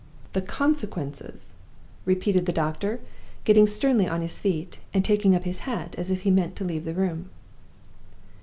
The consequences!" repeated the doctor, getting sternly on his feet, and taking up his hat as if he meant to leave the room.